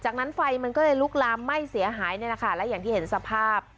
จากนั้นไฟมันก็เลยลุกลามไหม้เสียหายนี่แหละค่ะและอย่างที่เห็นสภาพ